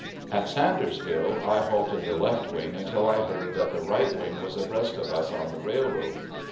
At Sandersville I halted the left wing until I heard that the right wing was abreast of us on the railroad.